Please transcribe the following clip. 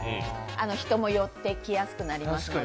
人も寄ってきやすくなりますので。